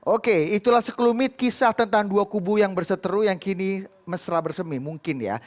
oke itulah sekelumit kisah tentang dua kubu yang berseteru yang kini mesra bersemi mungkin ya